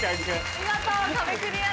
見事壁クリアです。